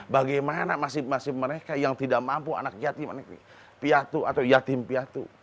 bagaimana nasib nasib mereka yang tidak mampu anak yatim piatu atau yatim piatu